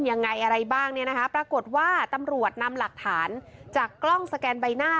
ยังไงอะไรบ้างเนี่ยนะคะปรากฏว่าตำรวจนำหลักฐานจากกล้องสแกนใบหน้า